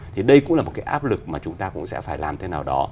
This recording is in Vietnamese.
thì đây cũng là một cái áp lực mà chúng ta cũng sẽ phải làm thế nào đó